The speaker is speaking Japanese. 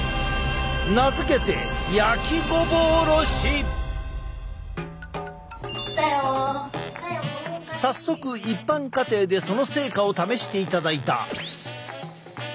名付けて早速一般家庭でその成果を試していただいた。